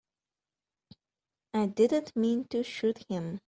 I didn't mean to shoot him.